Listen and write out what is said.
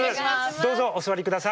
どうぞお座りください。